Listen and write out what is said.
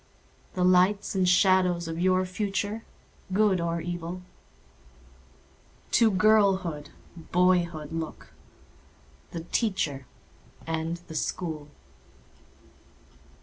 The lights and shadows of your future—good or evil? To girlhood, boyhood look—the Teacher and the School.